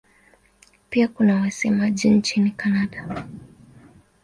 Pia kuna wasemaji nchini Kanada.